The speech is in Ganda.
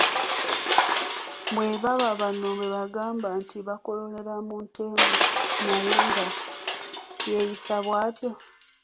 Bwe baba bano bebagamba nti ba "Lukololera mu ntembo" naye ng'ayisa bwatyo.